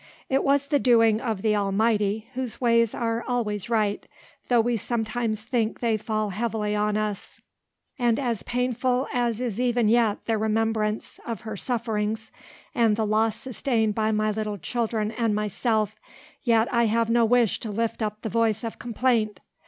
It was the doing of the Almighty, whose ways are always right, though we sometimes think they fall heavily on us; and as painful as is even yet the remembrance of her sufferings, and the loss sustained by my little children and myself, yet I have no wish to lift up the voice of complaint.